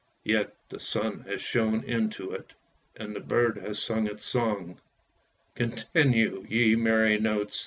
Yet the sun has shone into it, and the bird has sung its song. Continue ye merry notes!